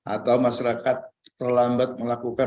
atau masyarakat terlambat melakukan